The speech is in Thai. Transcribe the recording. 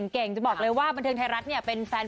เก่งจะบอกเลยว่าบรรเทิงไทยรัฐเป็นแฟนผู้ชม